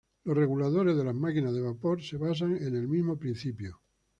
Los reguladores de las máquinas de vapor se basan en el mismo principio.